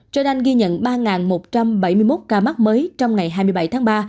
jordan ghi nhận ba một trăm bảy mươi một ca mắc mới trong ngày hai mươi bảy tháng ba